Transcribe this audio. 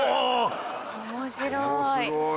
面白い。